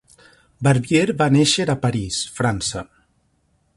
Barbier va néixer a París, França.